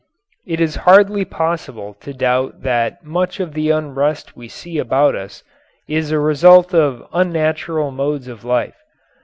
It is hardly possible to doubt that much of the unrest we see about us is the result of unnatural modes of life.